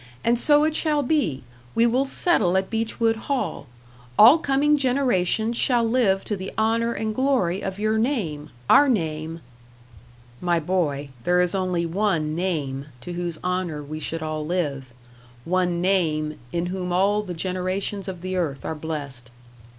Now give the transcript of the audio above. And so it shall be we will settle at Beechwood Hall; all coming generations shall live to the honour and glory of your name our name " "My boy, there is only one Name to whose honour we should all live. One Name 'in whom all the generations of the earth are blessed.'